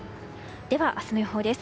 では、明日の予報です。